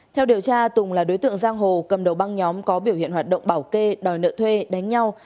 theo điều tra tùng là đối tượng giang hồ cầm đầu băng nhóm có biểu hiện hoạt động bảo kê đòi nợ thuê đánh nhau